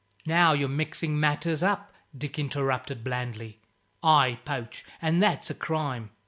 "Now you're mixing matters up," Dick interrupted, blandly; "I poach, and that's a crime.